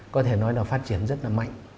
có thể nói là phát triển rất là mạnh